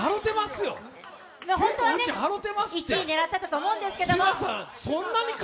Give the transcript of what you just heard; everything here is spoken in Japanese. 本当は１位を狙ってたと思うんですけど。